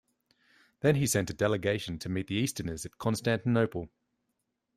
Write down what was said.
Then he sent a delegation to meet the Easterners at Constantinople.